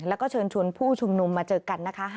แล้วก็เชิญชวนผู้ชุมนุมมาเจอกันนะคะ